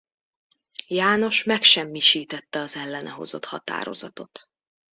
János megsemmisítette az ellene hozott határozatot.